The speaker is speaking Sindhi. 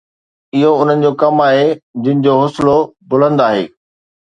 اهو انهن جو ڪم آهي جن جو حوصلو بلند آهي